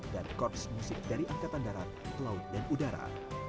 dan korps musuh dari angkatan darat laut dan udara